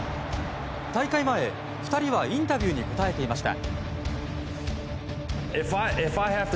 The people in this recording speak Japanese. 大会前、２人はインタビューに答えていました。